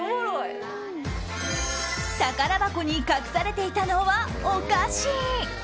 宝箱に隠されていたのはお菓子！